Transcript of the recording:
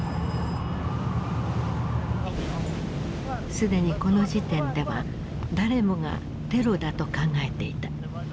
既にこの時点では誰もがテロだと考えていた。